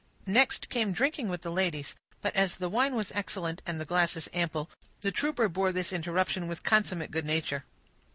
Next came drinking with the ladies; but as the wine was excellent, and the glasses ample, the trooper bore this interruption with consummate good nature.